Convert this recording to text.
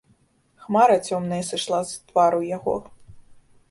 Хмара цёмная сышла з твару яго.